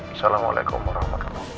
assalamualaikum warahmatullahi wabarakatuh